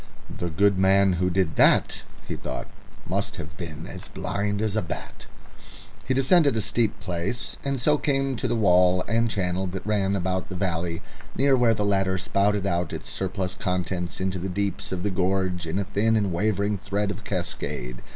"The good man who did that," he thought, "must have been as blind as a bat." He descended a steep place, and so came to the wall and channel that ran about the valley, near where the latter spouted out its surplus contents into the deeps of the gorge in a thin and wavering thread of cascade.